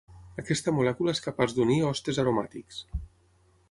Aquesta molècula és capaç d'unir hostes aromàtics.